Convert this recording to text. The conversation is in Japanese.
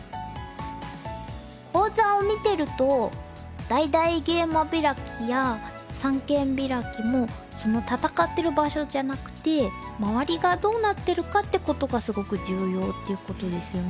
講座を見てると大々ゲイマビラキや三間ビラキもその戦ってる場所じゃなくて周りがどうなってるかってことがすごく重要っていうことですよね。